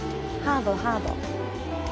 ハードハード。